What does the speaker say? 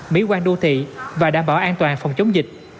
mỹ quan đô thị và đảm bảo an toàn phòng chống dịch